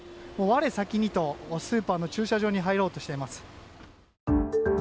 我先にとスーパーの駐車場に入ろうとしています。